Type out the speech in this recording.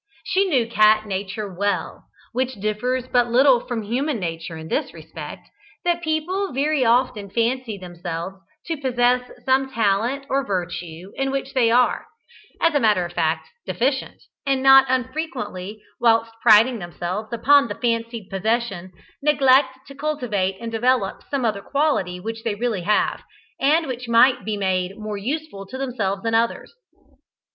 She knew cat nature well, which differs but little from human nature in this respect, that people very often fancy themselves to possess some talent or virtue, in which they are, as a matter of fact, deficient, and not unfrequently, whilst priding themselves upon the fancied possession, neglect to cultivate and develop some other quality which they really have, and which might be made much more useful to themselves and others.